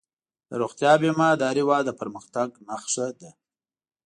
د روغتیا بیمه د هر هېواد د پرمختګ نښه ده.